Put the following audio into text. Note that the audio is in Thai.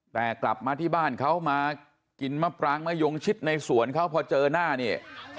แต่กลับมาที่บ้านเขามากินมะปรางมะยงชิดในสวนเขาพอเจอหน้าเนี่ย